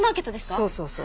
そうそうそう。